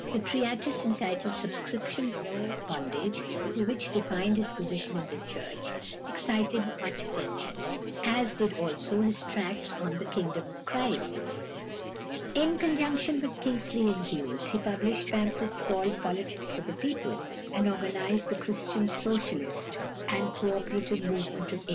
A treatise entitled "Subscription no Bondage," which defined his position in the Church, excited much attention, as did also his tracts on the "Kingdom of Christ." In conjunction with Kingsley and Hughes he published pamphlets called "Politics for the People," and organised the Christian socialist and co operative movement of 1850.